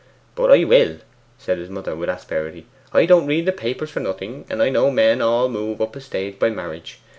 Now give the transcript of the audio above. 'But I will!' said his mother with asperity. 'I don't read the papers for nothing, and I know men all move up a stage by marriage.